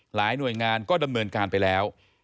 หน่วยงานก็ดำเนินการไปแล้ว